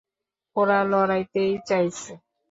ওরা লড়তেই চাইছে।